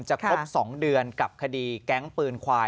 ครบ๒เดือนกับคดีแก๊งปืนควาย